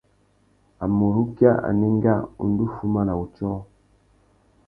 A mà urukia anénga, u ndú fuma na wutiō.